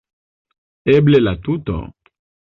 Eble la tuto.